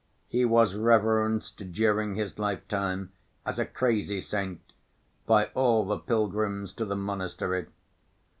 He was reverenced during his lifetime as a crazy saint by all the pilgrims to the monastery.